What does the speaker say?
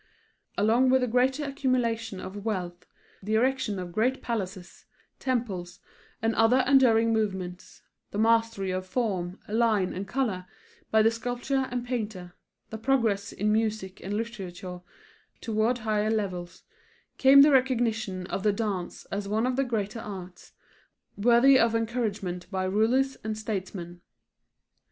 Along with the greater accumulation of wealth; the erection of great palaces, temples and other enduring movements; the mastery of form, line, and color by the sculptor and painter; the progress in music and literature toward higher levels, came the recognition of the dance as one of the greater arts, worthy of encouragement by rulers and statesmen.